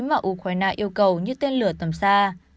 mà ukraine yêu cầu như tên lửa tầm xa